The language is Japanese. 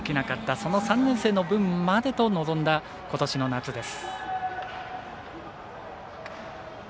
その３年生の分までと臨んだことしの夏です。